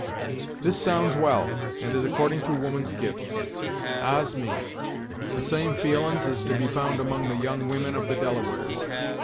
"This sounds well, and is according to woman's gifts. Ah's, me! The same feelin's is to be found among the young women of the Delawares.